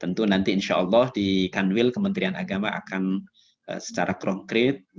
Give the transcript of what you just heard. tentu nanti insya allah di kanwil kementerian agama akan secara konkret